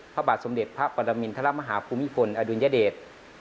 พระบาทสมเด็จพระปรมินทรมาฮาภูมิพลอดุลยเดช